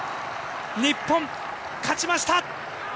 日本、勝ちました！